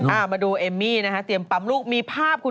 อ้ามาดูเอมมี่นะคะเตรียมปั๊มลูก